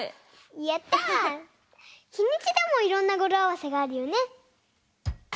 やった！日にちでもいろんなごろあわせがあるよね！